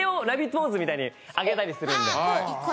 ポーズみたいに上げたりするので。